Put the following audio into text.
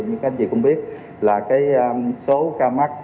như các anh chị cũng biết là cái số ca mắc